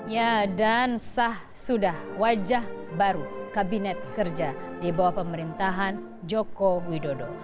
ya dan sah sudah wajah baru kabinet kerja di bawah pemerintahan joko widodo